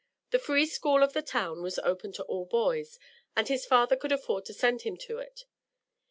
The free school of the town was open to all boys, and his father could afford to send him to it.